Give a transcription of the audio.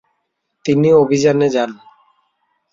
তিনি অভিযানে যান।